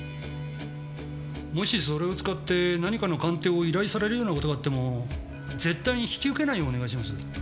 もしそれを使って何かの鑑定を依頼されるような事があっても絶対に引き受けないようお願いします。